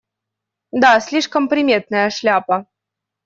Да, слишком приметная шляпа.